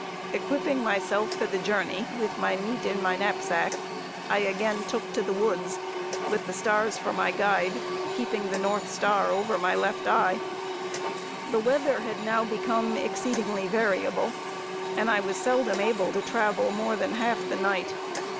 Equipping myself for my journey with my meat in my knapsack, I again took to the woods, with the stars for my guide, keeping the north star over my left eye. The weather had now become exceedingly variable, and I was seldom able to travel more than half of the night.